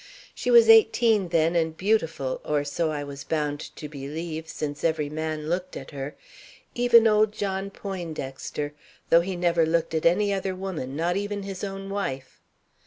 She was eighteen then, and beautiful, or so I was bound to believe, since every man looked at her, even old John Poindexter, though he never looked at any other woman, not even his own wife.